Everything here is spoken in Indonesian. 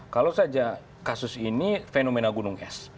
kalau saja kasus ini fenomena gunung es